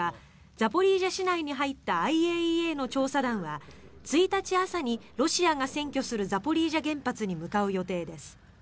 ザポリージャ市内に入ったＩＡＥＡの調査団は１日朝に、ロシアが占拠するザポリージャ原発に向かう予定です。